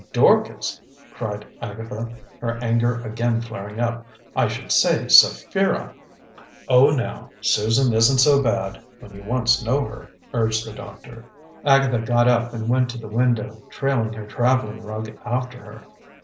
"Dorcas!" cried Agatha, her anger again flaring up. "I should say Sapphira." "Oh, now, Susan isn't so bad, when you once know her," urged the doctor. Agatha got up and went to the window, trailing her traveling rug after her.